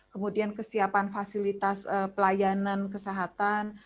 kemudian kesiapan fasilitas pelayanan kesehatan